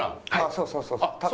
そうそうそう高野。